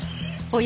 お！